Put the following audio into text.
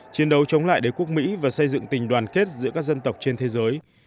chiến đấu chống lại đế quốc mỹ và xây dựng tình đoàn kết giữa các dân tộc trên thế giới